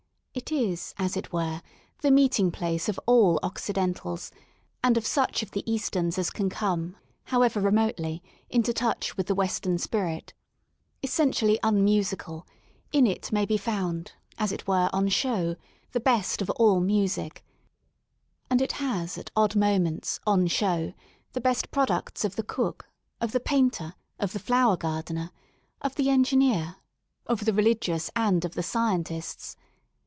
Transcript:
It is, as it were, the meeting place of all Occidentals and of such of the Easterns as can comCj however remotely, into touch with the Western spirit. Essentially unmusical, in it may be found, as it were "on show, the best of all music. And it has at odd moments ''on show '* the best pro ducts of the cook, of the painter, of the flower gardener, of the engineer, of the religious and of the scientists.